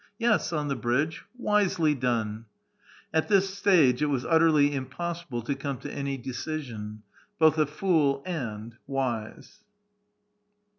Yes, on the bridge I wisely done !" At this stage it was utterly impossible to come to any decision ; both a fool and wise